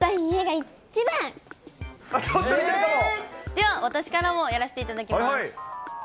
では、私からもやらせていただきます。